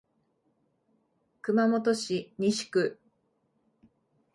熊本市西区